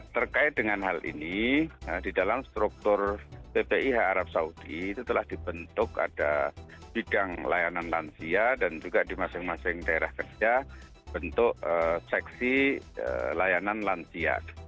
terkait dengan hal ini di dalam struktur ppih arab saudi itu telah dibentuk ada bidang layanan lansia dan juga di masing masing daerah kerja bentuk seksi layanan lansia